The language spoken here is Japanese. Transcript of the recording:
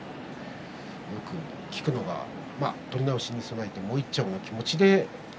よく聞くのが取り直しに備えてもう一丁の気持ちで。